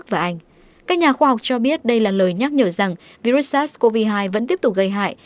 các nhà khoa học cho biết đây là lời nhắc nhở rằng virus sars cov hai vẫn tiếp tục gây hại